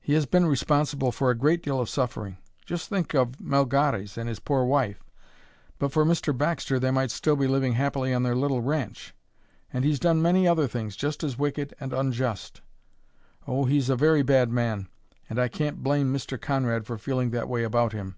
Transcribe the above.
"He has been responsible for a great deal of suffering. Just think of Melgares and his poor wife! But for Mr. Baxter they might still be living happily on their little ranch. And he's done many other things just as wicked and unjust. Oh, he's a very bad man, and I can't blame Mr. Conrad for feeling that way about him."